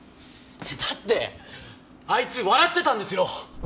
だってあいつ笑ってたんですよ！